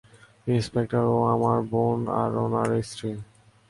Inspector, ও আমার বোন আর উনার স্ত্রী।